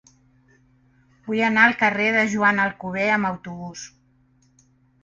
Vull anar al carrer de Joan Alcover amb autobús.